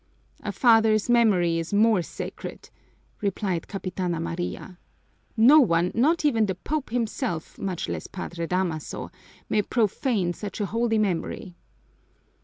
"A father's memory is more sacred!" replied Capitana Maria. "No one, not even the Pope himself, much less Padre Damaso, may profane such a holy memory."